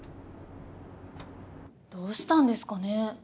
どうしたんですかね？